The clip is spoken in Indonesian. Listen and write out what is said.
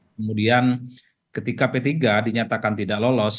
kemudian ketika p tiga dinyatakan tidak lolos